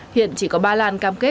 hiện chỉ có ba lan cam kết